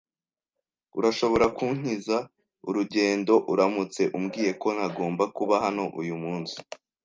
Urashobora kunkiza urugendo uramutse umbwiye ko ntagomba kuba hano uyu munsi.